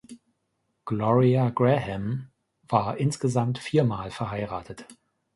Gloria Grahame war insgesamt viermal verheiratet.